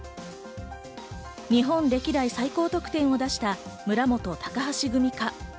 日本歴代最高得点を出した村元・高橋組か？